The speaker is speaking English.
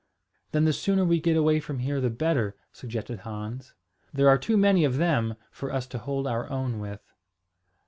"Then the sooner we get away from here the better," suggested Hans. "There are too many of them for us to hold our own with."